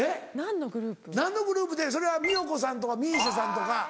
何のグループってそれは美代子さんとかＭＩＳＩＡさんとか。